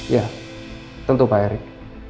ya tentu pak erick